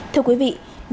thưa quý vị